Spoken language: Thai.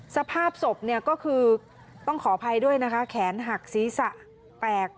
สภาพศพเนี่ยก็คือต้องขออภัยด้วยนะคะแขนหักศีรษะแตก